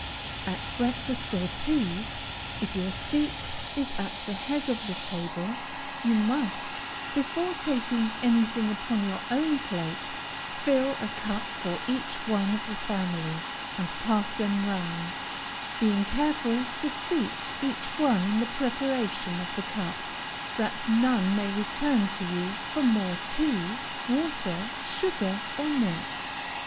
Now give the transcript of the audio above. At breakfast or tea, if your seat is at the head of the table, you must, before taking anything upon your own plate, fill a cup for each one of the family, and pass them round, being careful to suit each one in the preparation of the cup, that none may return to you for more tea, water, sugar, or milk.